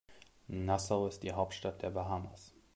Nassau ist die Hauptstadt der Bahamas.